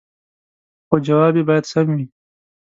خو جواب يې باید سم وي